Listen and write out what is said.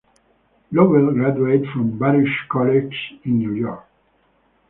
Lobell graduated from Baruch College in New York.